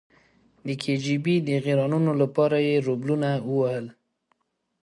د کې جی بي د غیرانونو لپاره یې روبلونه ووهل.